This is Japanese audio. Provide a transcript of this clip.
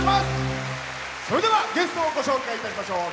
それではゲストをご紹介いたしましょう。